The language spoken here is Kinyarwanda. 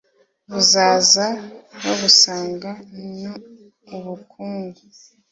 buzaza bugusanga n ubukungu